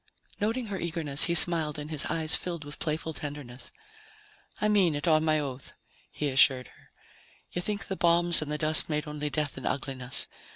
Noting her eagerness, he smiled and his eyes filled with playful tenderness. "I mean it, on my oath," he assured her. "You think the bombs and the dust made only death and ugliness.